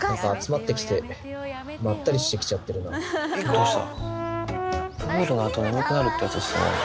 どうした？